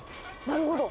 なるほど。